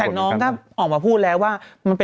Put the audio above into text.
แต่น้องก็ออกมาพูดแล้วว่า